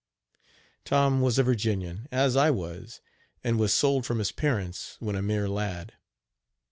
" Tom was a Virginian, as I was, and was sold from his parents when a mere lad.